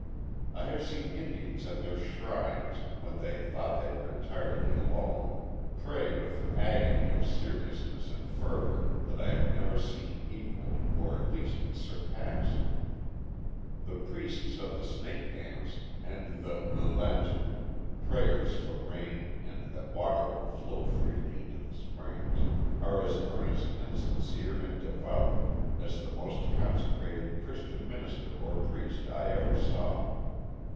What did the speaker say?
I have seen Indians at their shrines, when they thought they were entirely alone, pray with an agony of seriousness and fervor that I have never seen equalled or at least surpassed. The priests of the Snake Dance and the Lelentu (prayers for rain and that water will flow freely into the springs) are as earnest and sincere and devout as the most consecrated Christian minister or priest I ever saw.